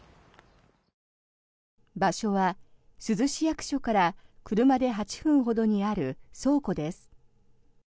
場所は珠洲市役所から車で８分ほどにある倉庫です。